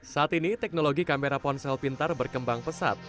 saat ini teknologi kamera ponsel pintar berkembang pesat